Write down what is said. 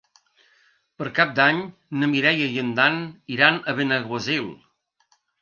Per Cap d'Any na Mireia i en Dan iran a Benaguasil.